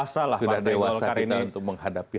lah partai golkar ini sudah dewasa kita untuk menghadapi